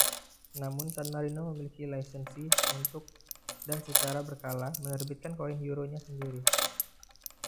Namun, San Marino memiliki lisensi untuk, dan secara berkala, menerbitkan koin euronya sendiri.